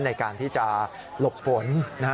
ในการที่จะหลบฝน